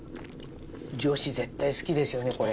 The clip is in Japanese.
女子絶対好きですよねこれ。